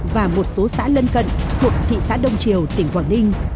và một số xã lân cận thuộc thị xã đông triều tỉnh quảng ninh